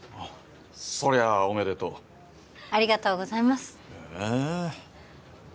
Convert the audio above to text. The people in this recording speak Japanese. そりゃおめでとうありがとうございますへえ